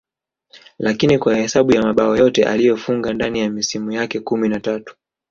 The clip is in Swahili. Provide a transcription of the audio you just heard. lakini kwa hesabu ya mabao yote aliyofunga ndani ya misimu yake kumi na tatu